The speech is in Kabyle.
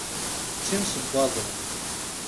D times n waḍu!